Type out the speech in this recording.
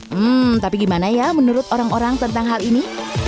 hmm tapi gimana ya menurut orang orang tentang hal ini